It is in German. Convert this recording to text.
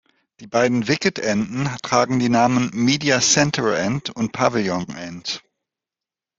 Die beiden Wicket-Enden tragen die Namen "Media Centre End" und "Pavilion End".